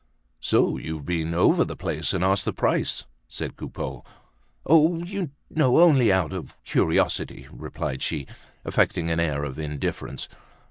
"So you've been over the place, and asked the price?" said Coupeau. "Oh! you know, only out of curiosity!" replied she, affecting an air of indifference.